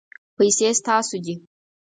پیسې ستاسو دي